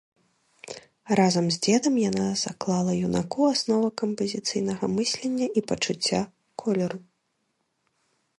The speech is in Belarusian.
Разам з дзедам яна заклала юнаку аснову кампазіцыйнага мыслення і пачуцця колеру.